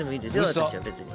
私は別に。